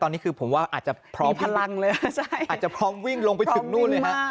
ตอนนี้คือผมว่าอาจจะพร้อมพลังเลยอาจจะพร้อมวิ่งลงไปถึงนู่นเลยฮะ